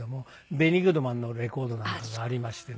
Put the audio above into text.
ベニー・グッドマンのレコードなんかがありましてね。